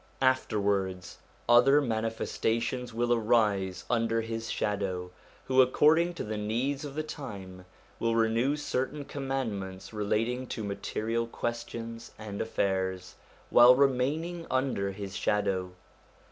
Afterwards other Manifestations will arise under his shadow, who according to the needs of the time will renew certain commandments relating to material questions and affairs, while remaining under his shadow.